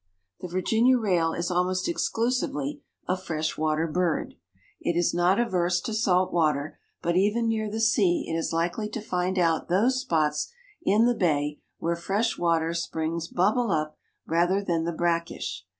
The Virginia rail is almost exclusively a fresh water bird. It is not averse to salt water, but even near the sea it is likely to find out those spots in the bay where fresh water springs bubble up rather than the brackish.